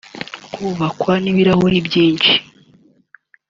Kubakwa n’ibirahuri byinshi